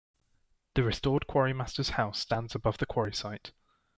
The restored quarry masters house stands above the quarry site.